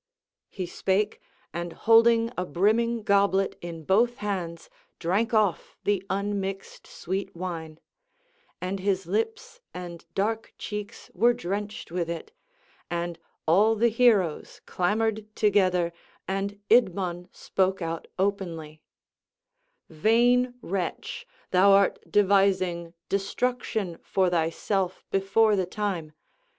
He spake, and holding a brimming goblet in both hands drank off the unmixed sweet wine; and his lips and dark cheeks were drenched with it; and all the heroes clamoured together and Idmon spoke out openly: "Vain wretch, thou art devising destruction for thyself before the time.